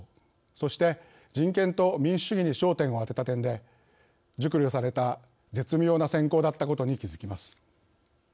そして、人権と民主主義に焦点を当てた点で熟慮された絶妙な選考だったことに気づきます。